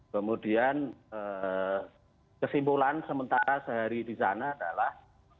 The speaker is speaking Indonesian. kemudian kesimpulan sementara sehari di sana adalah